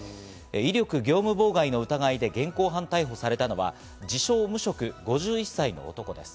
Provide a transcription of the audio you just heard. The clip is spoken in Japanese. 威力業務妨害の疑いで現行犯逮捕されたのは自称無職５１歳の男です。